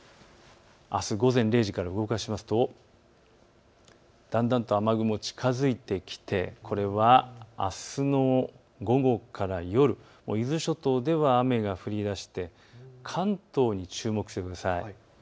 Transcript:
あす午前０時から動かしますとだんだんと雨雲が近づいてきてこれはあすの午後から夜、伊豆諸島では雨が降りだして、関東に注目してください。